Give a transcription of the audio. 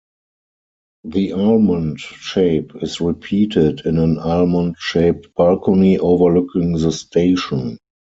The almond shape is repeated in an almond shaped balcony overlooking the station.